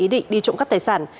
ý định đi trộm cắp tài sản